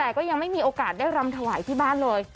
แต่ก็ยังไม่มีโอกาสได้รำถวายที่บ้านเลย